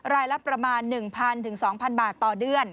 รายละประมาณ๑๐๐๒๐๐บาทต่อเดือน